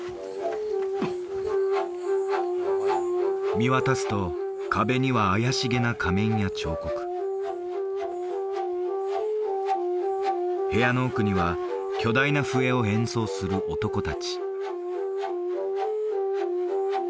見渡すと壁には怪しげな仮面や彫刻部屋の奥には巨大な笛を演奏する男達